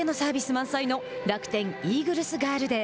満載の楽天イーグルスガールデー。